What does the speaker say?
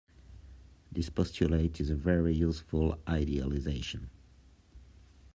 This postulate is a very useful idealization.